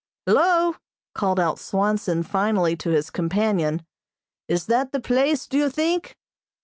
"Hello!" called out Swanson finally to his companion. "Is that the place, do you think?"